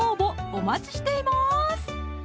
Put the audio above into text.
お待ちしています